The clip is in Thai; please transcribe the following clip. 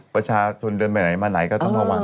ประชาชนเดินไปไหนมาไหนก็ต้องระวัง